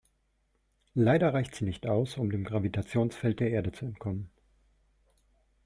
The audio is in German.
Leider reicht sie nicht aus, um dem Gravitationsfeld der Erde zu entkommen.